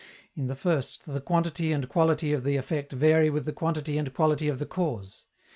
In the first, the quantity and quality of the effect vary with the quantity and quality of the cause.